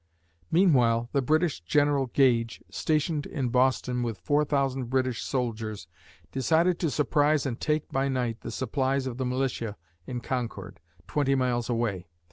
Meanwhile, the British General Gage, stationed in Boston with four thousand British soldiers, decided to surprise and take, by night, the supplies of the militia in Concord, twenty miles away.